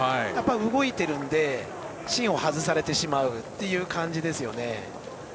動いてるので芯を外されてしまうという感じですよね。